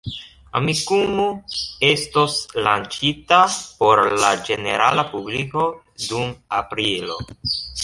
Amikumu estos lanĉita por la ĝenerala publiko dum aprilo.